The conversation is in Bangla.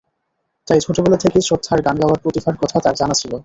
তাই ছোটবেলা থেকেই শ্রদ্ধার গান গাওয়ার প্রতিভার কথা তাঁর জানা ছিল।